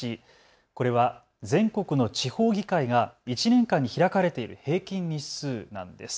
これは全国の地方議会が１年間に開かれている平均日数なんです。